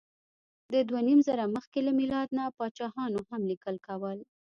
د دوهنیمزره مخکې له میلاد نه پاچاهانو هم لیکل کول.